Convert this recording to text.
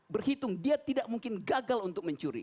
berhitung dia tidak mungkin gagal untuk mencuri